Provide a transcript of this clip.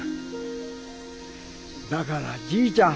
だからじいちゃん